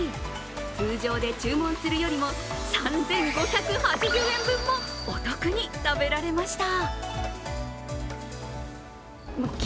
通常で注文するよりも３５８０円分もお得に食べられました。